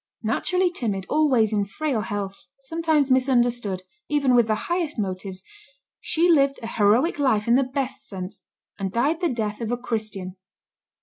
Naturally timid, always in frail health, sometimes misunderstood, even with the highest motives, she lived a heroic life in the best sense, and died the death of a Christian.